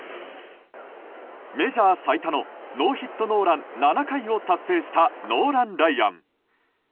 メジャー最多のノーヒットノーラン７回を達成したノーラン・ライアン。